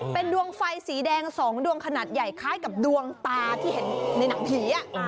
เป็นดวงไฟสีแดง๒ดวงขนาดใหญ่คล้ายกับดวงตาที่เห็นในหนังผี